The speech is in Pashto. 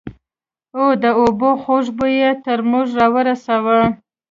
او د اوبو خوږ بوى يې تر موږ رارساوه.